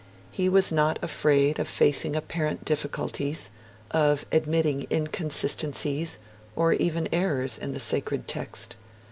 He was not afraid of facing apparent difficulties, of admitting inconsistencies, or even errors, in the sacred text.